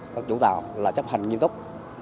các chủ tàu là chấp hành nghiêm túc